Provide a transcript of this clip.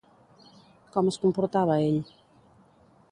Com es comportava ell?